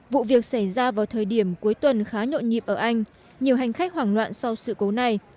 vụ việc xảy ra vào thời điểm cuối tuần khá nhộn nhịp ở anh nhiều hành khách hoảng loạn sau sự cố này